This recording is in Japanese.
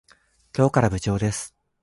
今日から部長です。